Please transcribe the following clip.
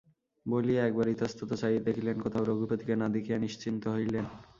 বলিয়া একবার ইতস্তত চাহিয়া দেখিলেন, কোথাও রঘুপতিকে না দেখিয়া নিশ্চিন্ত হইলেন।